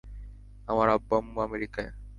আমার আব্বু-আম্মু আমেরিকায়।